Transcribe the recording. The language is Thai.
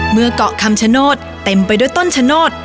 เมื่อเกาะคำชโนธเต็มไปด้วยต้นชะโนธ